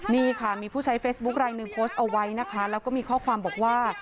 นี่ค่ะมีผู้ใช้เฟซบุ๊คลายหนึ่งโพสต์เอาไว้นะคะแล้วก็มีข้อความบอกว่า